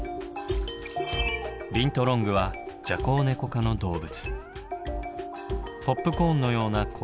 ビントロングはジャコウネコ科の動物。